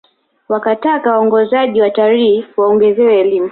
Wakataka waongozaji wa watalii waongezewe elimu